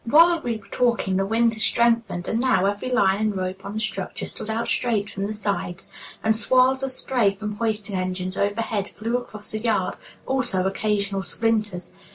While we were talking the wind had strengthened, and now every line and rope on the structure stood out straight from the sides, and swirls of spray from hoisting engines overhead flew across the yard, also occasional splinters.